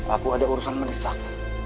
aku ada urusan menisak